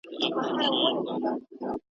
راسره شئ ټول پنجاب مې لړزولی